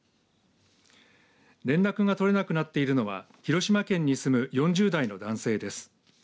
連絡が取れなくなっているのは広島県に住む４０代の男性です。